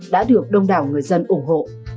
đã được đông đảo người dân ủng hộ